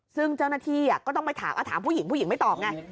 ซึ่งเจ้าหน้าที่ก็ต้องไปถามถามผู้หญิงผู้หญิงไม่ตอบไง